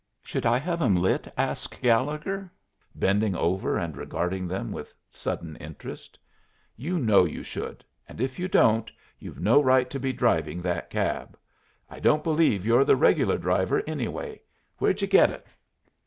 "Should I have 'em lit?" asked Gallegher, bending over and regarding them with sudden interest. "You know you should, and if you don't, you've no right to be driving that cab. I don't believe you're the regular driver, anyway. Where'd you get it?"